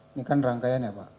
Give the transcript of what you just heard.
ini kan rangkaian ya pak